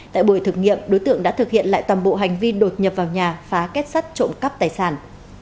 tại buổi thực nghiệm đối tượng đã thực hiện lại toàn bộ hành vi đột nhập vào nhà phá kết sắt trộm cắp tài sản